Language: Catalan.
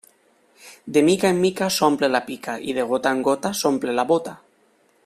De mica en mica s'omple la pica i de gota en gota s'omple la bóta.